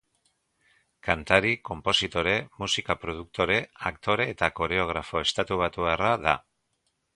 Kantari, konpositore, musika-produktore, aktore eta koreografo estatubatuarra da.